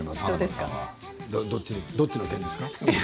どっちの件ですか？